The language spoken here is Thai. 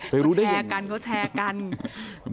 ไปรู้ได้ยังไงเขาแชร์กันเขาแชร์กัน